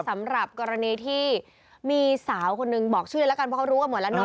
สำหรับกรณีที่มีสาวคนหนึ่งบอกชื่อแล้วกันเพราะเขารู้กันหมดแล้วเนอ